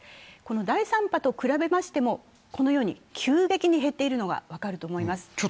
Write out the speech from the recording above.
第３波と比べましてもこのように急激に減っているのが分かると思います。